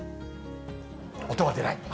音は出ない。